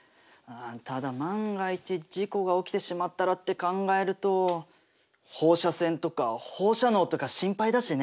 ただ万が一事故が起きてしまったらって考えると放射線とか放射能とか心配だしね。